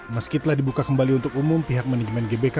meski telah dibuka kembali untuk umum pihak manajemen gbk